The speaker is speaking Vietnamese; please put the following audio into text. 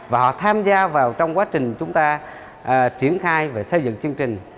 và họ tham gia vào trong quá trình chúng ta triển khai và xây dựng chương trình